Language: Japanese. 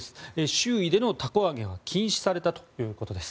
周囲での凧揚げが禁止されたということです。